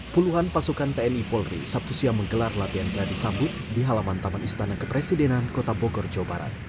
puluhan pasukan tni polri sabtu siang menggelar latihan gladi sambut di halaman taman istana kepresidenan kota bogor jawa barat